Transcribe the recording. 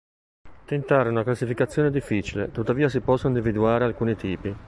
Tentare una classificazione è difficile, tuttavia si possono individuare alcuni tipi.